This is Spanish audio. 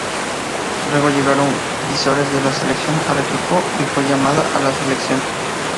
Luego llegaron visores de la selección al equipo y fue llamada a la Selección.